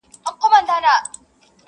روهیلۍ د روهستان مي څه ښه برېښي.